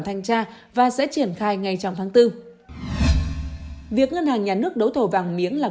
thanh tra và sẽ triển khai ngay trong tháng bốn việc ngân hàng nhà nước đấu thầu vàng miếng là